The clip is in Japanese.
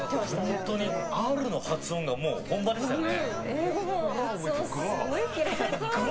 本当に、Ｒの発音が本場でしたよね。